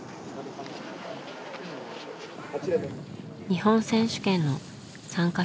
日本選手権の参加